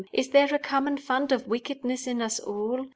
Is there a common fund of wickedness in us all?